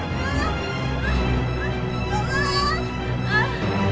mau dimanakan barang barangku